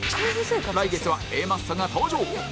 来月は Ａ マッソが登場